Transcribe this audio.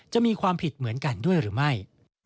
จะมีความผิดเหมือนกันด้วยหรือไม่